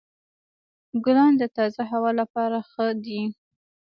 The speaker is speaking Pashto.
ګلان د تازه هوا لپاره ښه دي.